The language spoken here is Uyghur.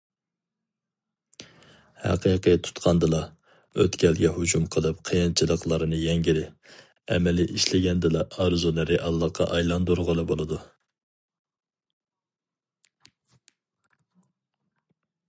ھەقىقىي تۇتقاندىلا، ئۆتكەلگە ھۇجۇم قىلىپ قىيىنچىلىقلارنى يەڭگىلى، ئەمەلىي ئىشلىگەندىلا ئارزۇنى رېئاللىققا ئايلاندۇرغىلى بولىدۇ.